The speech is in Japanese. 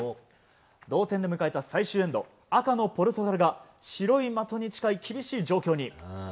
同点で迎えた最終エンド赤のポルトガルが白い的に近い厳しい状況に。